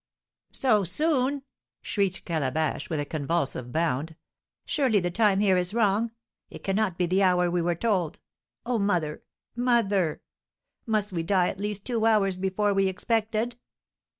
"So soon!" shrieked Calabash, with a convulsive bound. "Surely the time here is wrong, it cannot be the hour we were told! Oh, mother! Mother! Must we die at least two hours before we expected?"